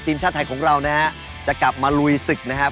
ทีมชาติไทยของเรานะฮะจะกลับมาลุยศึกนะครับ